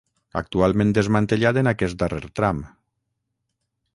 Actualment desmantellat en aquest darrer tram.